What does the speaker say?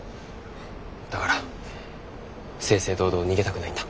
だから正々堂々逃げたくないんだ。